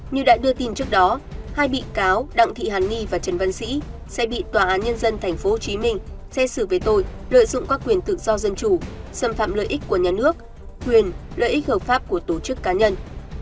như đã đưa tin trước đó hai bị cáo đặng thị hàn ni và trần văn sĩ sẽ bị tòa án nhân dân tp hcm xét xử về tội lợi dụng các quyền tự do dân chủ xâm phạm lợi ích của nhà nước quyền lợi ích hợp pháp của tổ chức cá nhân